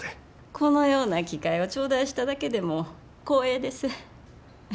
このような機会を頂戴しただけでも光栄です。